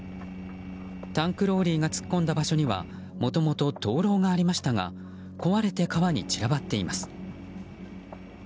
タンクローリーが突っ込んだ場所にはもともと灯篭がありましたが壊れて、川に散らばっています。